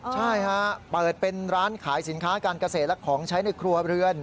ใช่ฮะเปิดเป็นร้านขายสินค้าการเกษตรและของใช้ในครัวเรือน